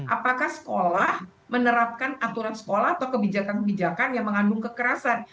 apakah sekolah menerapkan aturan sekolah atau kebijakan kebijakan yang mengandung kekerasan